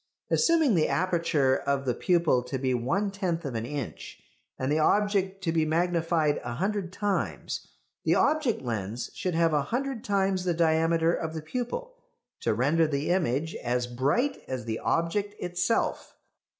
Assuming the aperture of the pupil to be one tenth of an inch, and the object to be magnified a hundred times, the object lens should have a hundred times the diameter of the pupil to render the image as bright as the object itself.